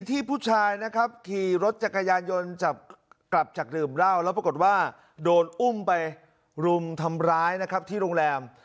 ที่ผู้ชายนะครับขี่รถจักรยานยนต์จับกลับจากดื่มเหล้าแล้วปรากฏว่าโดนอุ้มไปรุมทำร้ายนะครับที่โรงแรม